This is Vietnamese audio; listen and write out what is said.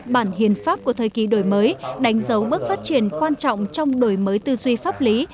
một nghìn chín trăm chín mươi hai bản hiện pháp của thời kỳ đổi mới đánh dấu bước phát triển quan trọng trong đổi mới tư duy pháp lý